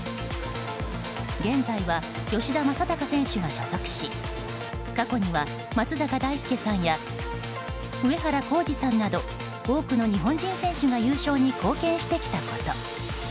現在は、吉田正尚選手が所属し過去には松坂大輔さんや上原浩治さんなど多くの日本人選手が優勝に貢献してきたこと。